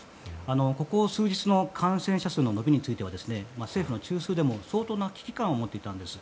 ここ数日の感染者数の伸びについては政府の中枢でも、相当な危機感を持っていたんです。